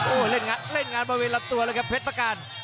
โอ้เล่นงานเล่นงานบริเวณรับตัวเลยครับเพชรสร้างบ้าน